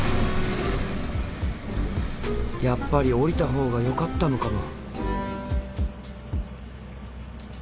やっぱり降りたほうがよかったのかも。